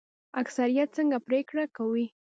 اکثریت څنګه پریکړه کوي؟